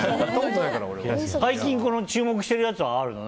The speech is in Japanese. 最近、注目してるやつはあるの？